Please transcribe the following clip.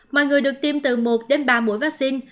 mọi người được tiêm từ một đến ba mũi vaccine